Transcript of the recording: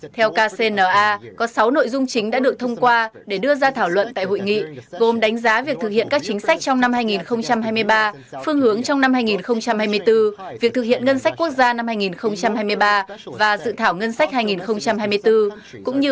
theo kcna có sáu nội dung chính đã được thông qua để đưa ra thảo luận tại hội nghị gồm đánh giá việc thực hiện các chính sách trong năm hai nghìn hai mươi ba phương hướng trong năm hai nghìn hai mươi bốn việc thực hiện ngân sách quốc gia năm hai nghìn hai mươi ba và dự thảo ngân sách hai nghìn hai mươi bốn